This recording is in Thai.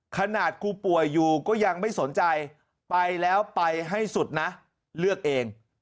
ขนาดกูป่วยอยู่ก็ยังไม่สนใจไปแล้วไปให้สุดนะเลือกเอง